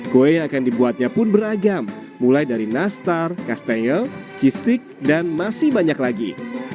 kue yang akan dibuatnya pun beragam mulai dari nastar kastel cistick dan masih banyak lagi